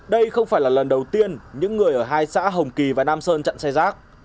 đây không phải là lần đầu tiên những người ở hai xã hồng kỳ và nam sơn chặn xe rác